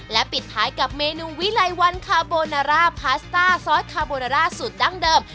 และปิดท้ายกับเมนูวิไลวันคาโบนาร่าพาสต้าซอสคาโบนาร่าสูตรดั้งเดิม